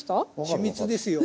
秘密ですよ。